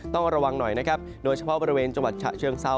ต้องระวังหน่อยนะครับโดยเฉพาะบริเวณจังหวัดฉะเชิงเซา